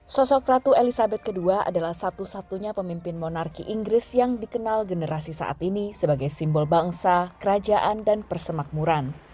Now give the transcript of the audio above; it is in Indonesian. sosok ratu elizabeth ii adalah satu satunya pemimpin monarki inggris yang dikenal generasi saat ini sebagai simbol bangsa kerajaan dan persemakmuran